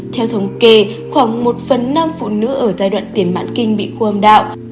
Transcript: theo thống kê khoảng một phần năm phụ nữ ở giai đoạn tiền mãn kinh bị khô âm đạo